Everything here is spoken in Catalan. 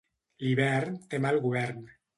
L'hivern té mal govern.